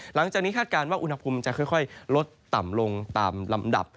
หลังจากนี้คาดการณ์ว่าอุณหภูมิจะค่อยลดต่ำลงตามลำดับ